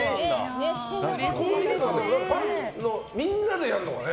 こういうのはファンのみんなでやるのかね。